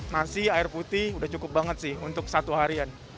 nasi air putih udah cukup banget sih untuk satu harian